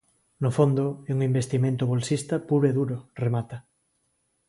No fondo, é un investimento bolsista puro e duro, remata.